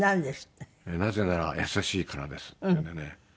「なぜならやさしいからです」っていうんでね。